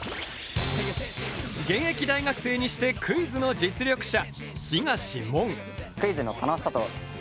現役大学生にしてクイズの実力者